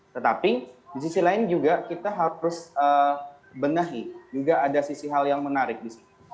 tetapi di sisi lain juga kita harus benahi juga ada sisi hal yang menarik di sini